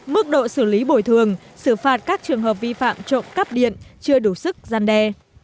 mức độ xử lý bồi thường xử phạt các trường hợp vi phạm trộm cắp điện chưa đủ sức gian đe